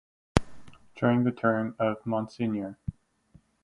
During the term of Msgr.